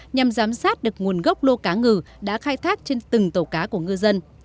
nhằm giám sát được nguồn gốc lô cá ngừ đã khai thác trên từng tàu cá của ngư dân